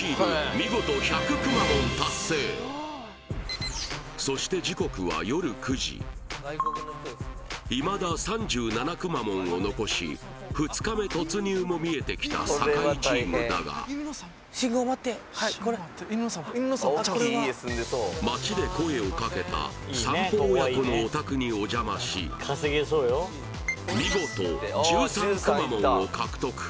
見事１００くまモン達成そして時刻は夜９時いまだ３７くまモンを残し２日目突入も見えてきた坂井チームだが街で声をかけた散歩親子のお宅にお邪魔し見事１３くまモンを獲得